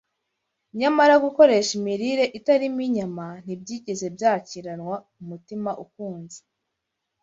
Nyamara gukoresha imirire itarimo inyama ntibyigeze byakiranwa umutima ukunze